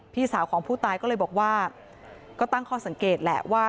พี่สาวของผู้ตายก็เลยบอกว่าก็ตั้งข้อสังเกตแหละว่า